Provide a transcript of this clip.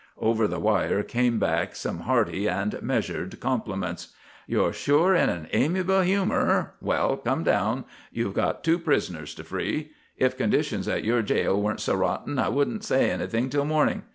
Over the wire came back some hearty and measured compliments. "You're sure in an amiable humour. Well, come down. You've got two prisoners to free. If conditions at your jail weren't so rotten I wouldn't say anything till morning.